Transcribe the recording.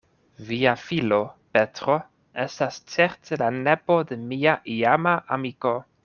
Via filo, Petro, estas certe la nepo de mia iama amiko.